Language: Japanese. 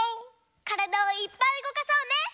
からだをいっぱいうごかそうね！